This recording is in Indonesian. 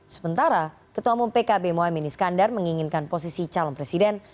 sementara ketua umum pkb mohaimin iskandar menginginkan posisi calon presiden